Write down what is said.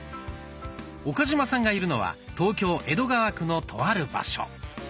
岡嶋さんがいるのは東京・江戸川区のとある場所。